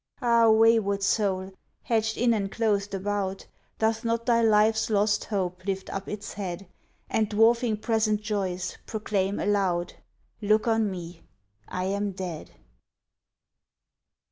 Ah, wayward soul, hedged in and clothed about, Doth not thy life's lost hope lift up its head, And, dwarfing present joys, proclaim aloud, "Look on me, I am dead!"